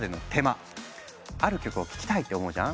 ある曲を聴きたいって思うじゃん？